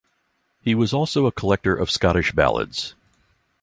He was also a collector of Scottish ballads.